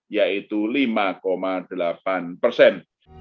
yaitu lima delapan persen